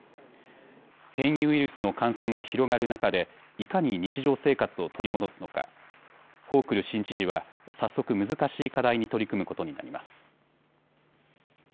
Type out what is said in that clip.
変異ウイルスの感染が広がる中でいかに日常生活を取り戻すのかホークル新知事は早速、難しい課題に取り組むことになります。